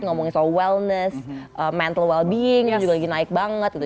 ngomongin soal wellness mental well being yang juga lagi naik banget gitu